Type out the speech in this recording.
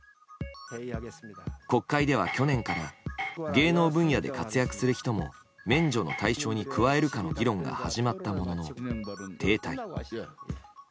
国会では去年から芸能分野で活躍する人も免除の対象に加えるかの議論が始まったものの停滞。